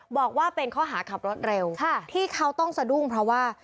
บอกว่าเป็นข้อหาขับรถเร็วที่เขาต้องสะดุ้งเพราะว่า